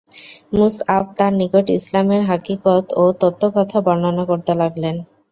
মুসআব তার নিকট ইসলামের হাকীকত ও তত্ত্বকথা বর্ণনা করতে লাগলেন।